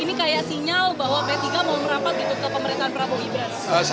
ini kayak sinyal bahwa ptk mau merapat gitu ke pemerintahan pramu ibrat